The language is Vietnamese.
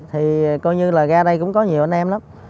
thì coi như là ra đây cũng có nhiều anh em lắm